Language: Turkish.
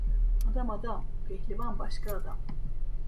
Adam adam, pehlivan başka adam.